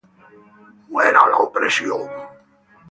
¡Muera la opresión!